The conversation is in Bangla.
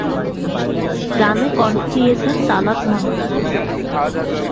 গানে কণ্ঠ দিয়েছেন তালাত মাহমুদ।